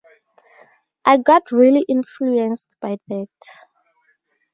I got really influenced by that.